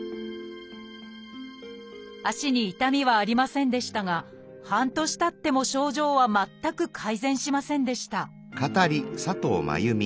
足に痛みはありませんでしたが半年たっても症状は全く改善しませんでした